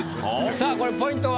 さあこれポイントは？